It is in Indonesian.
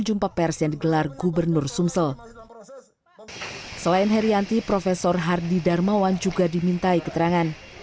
jumpa persen gelar gubernur sumsel selain herianti profesor hardi darmawan juga dimintai keterangan